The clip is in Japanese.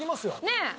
ねえ。